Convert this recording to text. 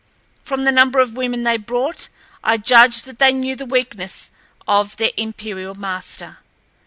From the number of women they brought, I judged that they knew the weakness of their imperial master.